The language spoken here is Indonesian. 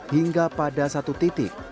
hingga pada satu titik